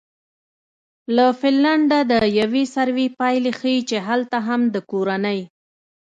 له فنلنډه د یوې سروې پایلې ښیي چې هلته هم د کورنۍ